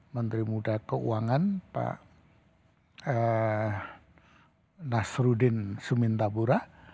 menteri muda keuangan pak nasruddin sumintapura